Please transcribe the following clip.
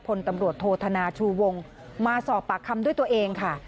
พลตำรวจโทษธนาชูวงมาสอบปากคำด้วยตัวเองค่ะ